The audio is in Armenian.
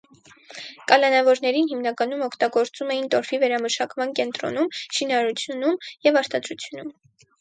Կալանավորներին հիմնականում օգտագործում էին տորֆի վերամշակման կենտրոնում, շինարարությունում և արտադրությունում։